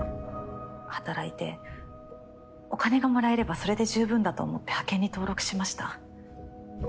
働いてお金がもらえればそれで十分だと思って派遣に登録しました。